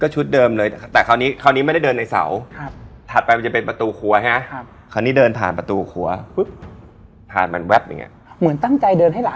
จำได้เลยว่าถ่าย